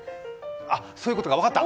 あっ、そういうことか、分かった！